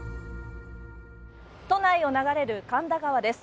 都内を流れる神田川です。